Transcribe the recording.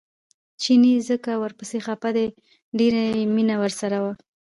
چیني ځکه ورپسې خپه دی ډېره یې مینه ورسره وه.